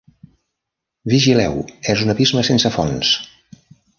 Vigileu, és un abisme sense fons!